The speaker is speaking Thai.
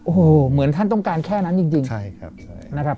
โอ้โหเหมือนท่านต้องการแค่นั้นจริงใช่ครับนะครับ